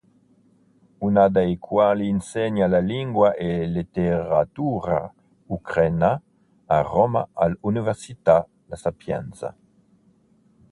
Una dei quali insegna la lingua e letteratura ucraina a Roma all'università La Sapienza.